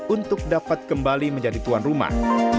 untuk dapat kembali menjadi tuan rumah